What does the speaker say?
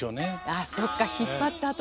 あっそっか引っ張ったあとかも。